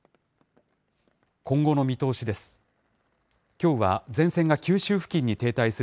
今後の見通しです。